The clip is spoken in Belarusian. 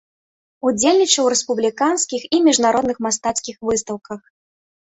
Удзельнічаў у рэспубліканскіх і міжнародных мастацкіх выстаўках.